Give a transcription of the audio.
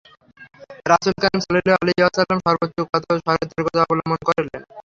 রাসূলে কারীম সাল্লাল্লাহু আলাইহি ওয়াসাল্লাম সর্বোচ্চ সতর্কতা অবলম্বন করলেন।